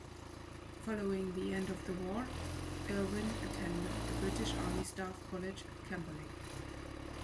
Following the end of the war, Irwin attended the British Army Staff College, Camberley.